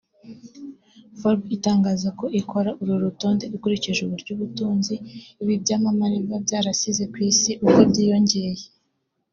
Forbes itangaza ko ikora uru rutonde ikurikije Uburyo Ubutunzi ibi byamamare biba byarasize ku Isi uko bwiyongeye